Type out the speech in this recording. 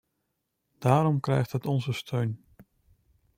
Daarom krijgt het onze steun.